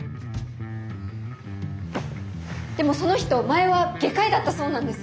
でもその人前は外科医だったそうなんです。